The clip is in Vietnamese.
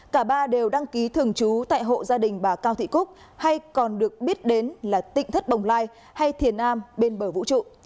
cả ba đều đăng ký thường trú tại hộ gia đình bà cao thị cúc hay còn được biết đến là tịnh thất bồng lai hay thiền nam bên bờ vũ trụ